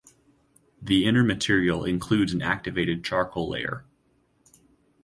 The inner material includes an activated charcoal layer.